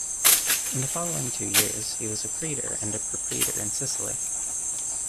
In the following two years, he was praetor and propraetor in Sicily.